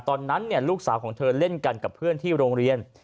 ตอนนั้นลูกสาวของเธอเล่นกันกับเพื่อนที่โรงเรียน